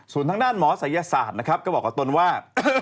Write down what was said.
ส่วนทางด้านหมอศัยศาสตร์นะครับก็บอกกับตนว่า